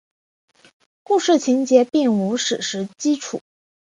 故事情节并无史实基础。